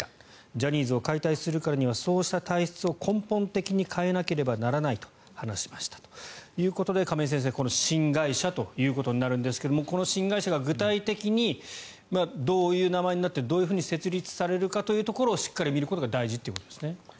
ジャニーズを解体するからにはそうした体質を根本的に変えなければならないと話しましたということで亀井先生新会社ということになるんですがこの新会社が具体的にどういう名前になってどういうふうに設立されるかというところをしっかり見ることが大事ということですね。